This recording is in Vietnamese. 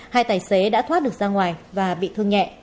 hai tài xế đã thoát được ra ngoài và bị thương nhẹ